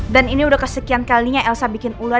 dan ini udah kesekian kalinya elsa bikin ular